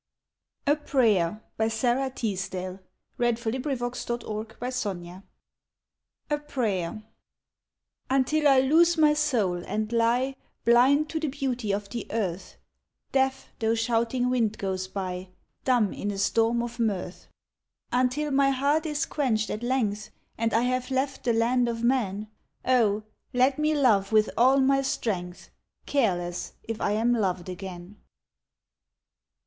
That it may be a cloud by day, And in the night a shaft of fire. A Prayer Until I lose my soul and lie Blind to the beauty of the earth, Deaf though shouting wind goes by, Dumb in a storm of mirth; Until my heart is quenched at length And I have left the land of men, Oh, let me love with all my strength Careless if I am loved again.